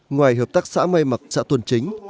ngoài hợp tác xã may mặc xã tuần chính